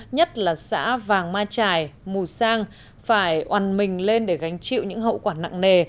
nhất là xã vàng ma trải mù sang phải oàn mình lên để gánh chịu những hậu quả nặng nề